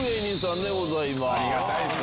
ありがたいっす